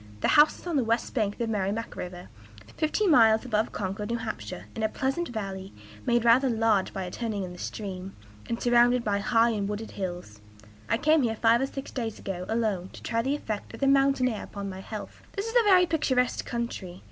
The house is on the west bank of Merrimac River, fifteen miles above Concord (N. H.), in a pleasant valley, made rather large by a turn in the stream, and surrounded by high and wooded hills. I came here five or six days ago, alone, to try the effect of the mountain air upon my health. "This is a very picturesque country.